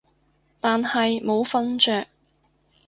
只係冇瞓着